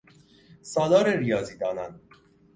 سالار ریاضیدانان